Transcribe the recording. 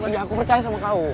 enggak aku percaya sama kau